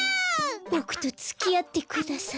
ボクとつきあってください。